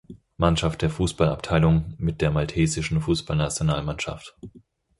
Mannschaft der Fußballabteilung mit der Maltesischen Fußballnationalmannschaft.